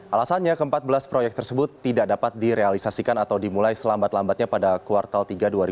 alasannya ke empat belas proyek tersebut tidak dapat direalisasikan atau dimulai selambat lambatnya pada kuartal tiga dua ribu dua puluh